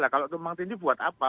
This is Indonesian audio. kalau tumpang tindih buat apa